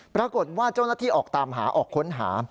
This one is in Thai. ปรากฏว่าเจ้าหน้าที่ออกตามหาออกค้นหา